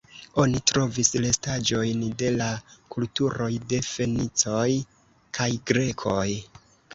Oni trovis restaĵojn de la kulturoj de fenicoj kaj grekoj.